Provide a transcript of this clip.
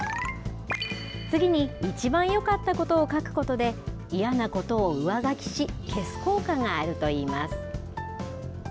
次に一番よかったことを書くことで、嫌なことを上書きし、消す効果があるといいます。